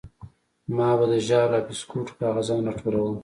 ما به د ژاولو او بيسکوټو کاغذان راټولول.